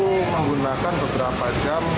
sehingga sekarang sudah berapa jam